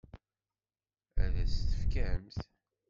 Ad as-tt-tefkemt?